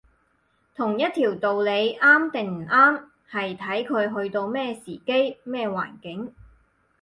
同一條道理啱定唔啱，係睇佢去到咩時機，咩環境